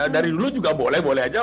dari dulu juga boleh boleh aja